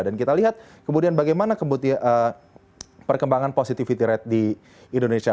dan kita lihat kemudian bagaimana perkembangan positivity rate di indonesia